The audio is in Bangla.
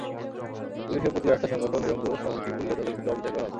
পুলিশের প্রতি আস্থার সংকটও নিরঙ্কুশ, এমনটি বললে তাদের প্রতি অবিচার করা হবে।